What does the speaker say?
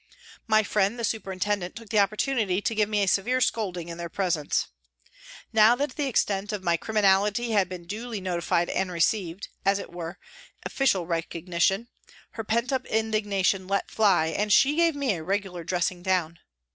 My friend, the superintendent, took the opportunity to give me a severe scolding in their presence. Now that the extent of my criminality had been duly notified and received, as it were, official recognition, her pent up indignation let fly and she gave me a regular dressing down.